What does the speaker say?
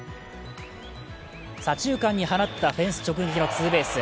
左中間に放ったフェンス直撃のツーベース。